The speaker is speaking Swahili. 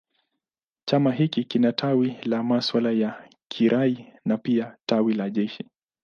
Chama hiki kina tawi la masuala ya kiraia na pia tawi la kijeshi.